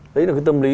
đấy là cái tâm lý